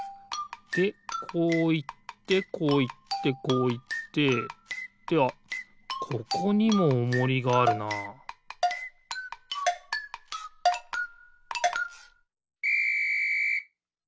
でこういってこういってこういってってあっここにもおもりがあるなピッ！